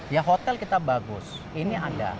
ya hotel kita bagus ini ada